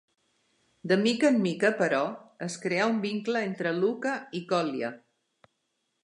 De mica en mica, però, es crea un vincle entre Louka i Kolya.